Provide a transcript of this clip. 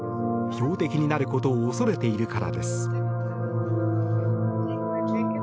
標的になることを恐れているからです。